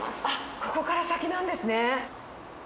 ここから先なんですね。